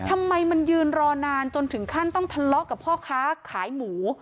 ทำไมมันยืนรอนานจนถึงขั้นต้องทะเลาะกับพ่อค้าขายหมู